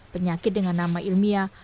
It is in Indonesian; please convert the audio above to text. penyakit dengan nama ilmiah